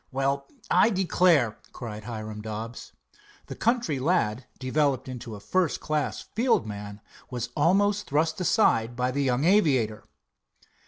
"Well, I declare!" cried Hiram Dobbs. The country lad, developed into a first class "field" man, was almost thrust aside by the young aviator.